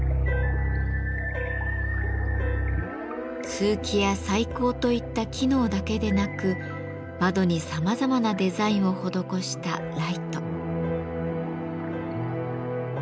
通気や採光といった機能だけでなく窓にさまざまなデザインを施したライト。